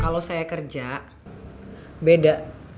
kalau saya kerja beda